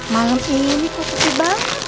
malam ini kok sepi banget